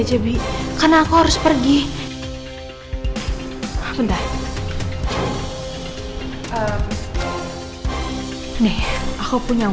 jadi nanti kau harus kesana